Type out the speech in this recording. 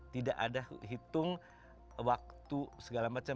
tidak ada hitung waktu segala macam